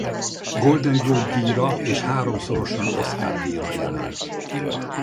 Golden Globe-díjra és háromszorosan Oscar-díjra jelölt.